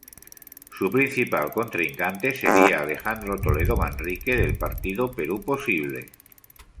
Su principal contrincante sería Alejandro Toledo Manrique, del partido Perú Posible.